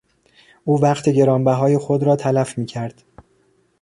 او وقت گرانبهای خود را تلف میکرد.